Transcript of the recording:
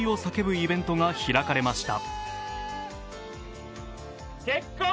イベントが開かれました。